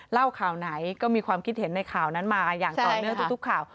เล่าข่าวไหนก็มีความคิดเห็นในข่าวนั้นมาอย่างต่อเนื่องทุกข่าว